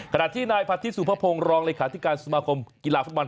ขณะที่นายพัฒนีสุภพงศ์รองริขาธิการสุภาคมกีฬาฟ่าบาล